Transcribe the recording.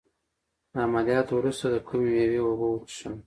د عملیات وروسته د کومې میوې اوبه وڅښم؟